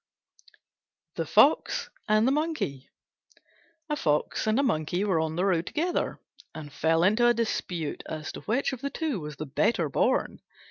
THE FOX AND THE MONKEY A Fox and a Monkey were on the road together, and fell into a dispute as to which of the two was the better born.